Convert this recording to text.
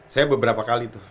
saya beberapa kali tuh